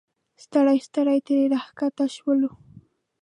ستړي ستړي ترې راښکته شولو.